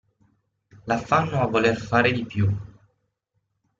L'affanno a voler fare di più.